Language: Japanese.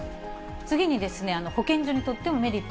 次に、保健所にとってもメリット